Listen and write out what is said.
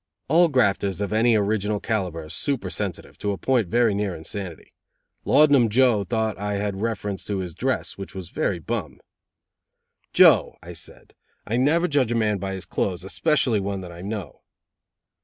All grafters of any original calibre are super sensitive, to a point very near insanity. Laudanum Joe thought I had reference to his dress, which was very bum. "Joe," I said, "I never judge a man by his clothes, especially one that I know."